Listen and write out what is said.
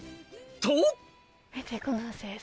と！